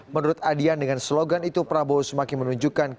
menurut adian dengan slogan itu prabowo semakin menunjukkan